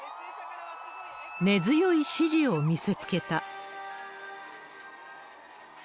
根強い支持を見せつけた。